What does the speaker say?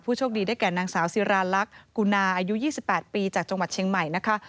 โชคดีได้แก่นางสาวศิราลักษณ์กุณาอายุ๒๘ปีจากจังหวัดเชียงใหม่นะคะ